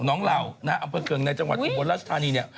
น้องเหล่าอัมเภอเกิงในจังหวัดอุบลรัชธานี